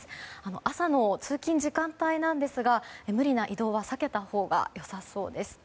朝の通勤時間帯なんですが無理な移動は避けたほうが良さそうです。